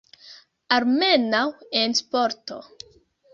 Almenaŭ en sporto.